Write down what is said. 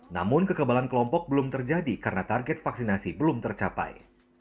namun kekebalan kelompok belum terjadi karena target vaksinasi belum tercapai